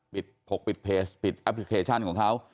ปกปิดเพจปิดแอปพลิเคชันของเขา